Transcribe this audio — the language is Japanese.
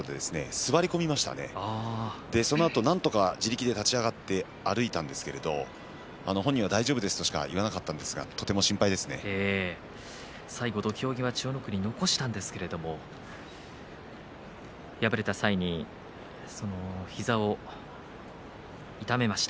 そして、そのあとなんとか自力で立ち上がって歩いたんですけれど本人は大丈夫ですとしか言わなかったんですが最後、土俵際千代の国は残したんですけれども敗れた際に膝を痛めました。